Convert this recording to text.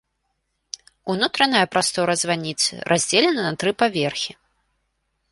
Унутраная прастора званіцы раздзелена на тры паверхі.